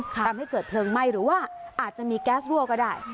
ทำให้เกิดเพลิงไหม้หรือว่าอาจจะมีแก๊สรั่วก็ได้